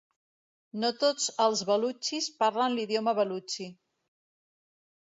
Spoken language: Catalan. No tots els balutxis parlen l'idioma balutxi.